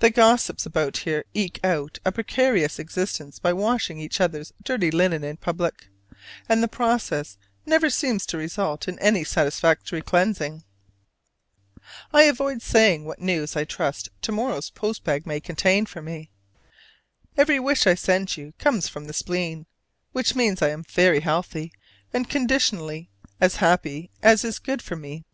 The gossips about here eke out a precarious existence by washing each other's dirty linen in public: and the process never seems to result in any satisfactory cleansing. I avoid saying what news I trust to morrow's post bag may contain for me. Every wish I send you comes "from the spleen," which means I am very healthy, and, conditionally, as happy as is good for me.